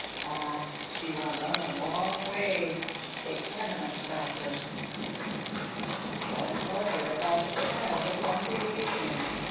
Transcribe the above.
Ah, she will run a long way; they cannot stop her!" What was it about the child that one believed in?